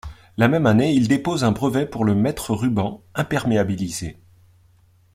La même année, il dépose un brevet pour le mètre-ruban imperméabilisé.